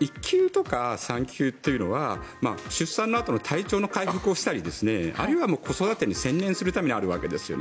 育休とか産休というのは出産のあとの体調の回復をしたりあるいは子育てに専念するためにあるわけですよね。